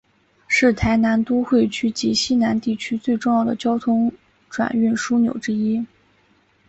是台南都会区及溪南地区最重要的交通转运枢纽之一。